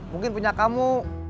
mungkin punya kamu